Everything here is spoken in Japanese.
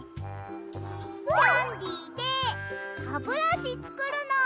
キャンディーでハブラシつくるの！